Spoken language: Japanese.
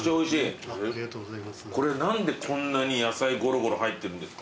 これ何でこんなに野菜ごろごろ入ってるんですか？